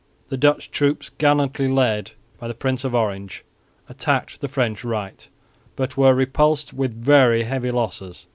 The Dutch troops gallantly led by the Prince of Orange attacked the French right, but were repulsed with very heavy losses.